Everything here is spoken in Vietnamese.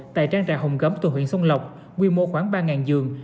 tại trang trại hồng gấm từ huyện xuân lộc quy mô khoảng ba giường